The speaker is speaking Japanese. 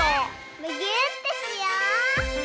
むぎゅーってしよう！